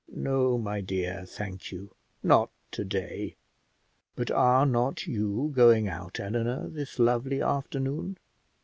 "No, my dear, thank you, not to day; but are not you going out, Eleanor, this lovely afternoon?